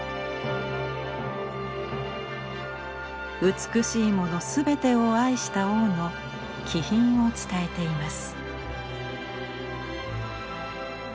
美しいものすべてを愛した王の気品を伝えています。